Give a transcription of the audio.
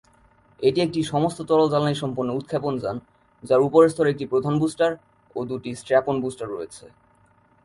এটি একটি সমস্ত তরল-জ্বালানী সম্পন্ন উৎক্ষেপণ যান, যার উপরের স্তরে একটি প্রধান বুস্টার ও দুটি স্ট্র্যাপ-অন বুস্টার রয়েছে।